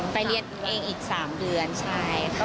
ไปเรียนเองอีก๓เดือนใช่ค่ะ